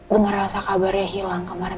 denger rasa kabarnya hilang kemaren